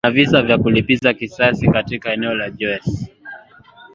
na visa vya kulipiza kisasi katika eneo la joes